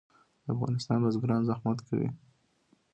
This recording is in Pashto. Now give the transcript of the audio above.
د افغانستان بزګران زحمت کوي